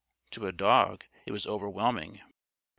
To a dog it was overwhelming.